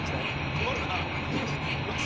困るな。